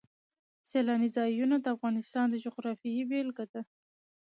سیلانی ځایونه د افغانستان د جغرافیې بېلګه ده.